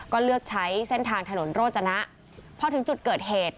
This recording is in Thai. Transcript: ก็เลือกใช้เส้นทางถนนโรจนะพอถึงจุดเกิดเหตุ